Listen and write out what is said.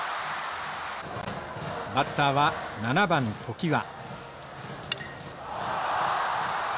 バッターは７番常盤。